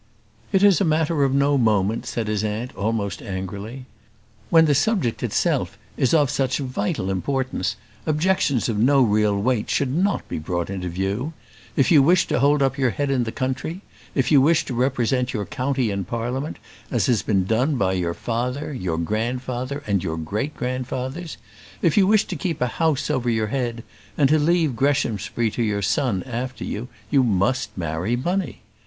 "It is a matter of no moment," said his aunt, almost angrily. "When the subject itself is of such vital importance, objections of no real weight should not be brought into view. If you wish to hold up your head in the country; if you wish to represent your county in Parliament, as has been done by your father, your grandfather, and your great grandfathers; if you wish to keep a house over your head, and to leave Greshamsbury to your son after you, you must marry money.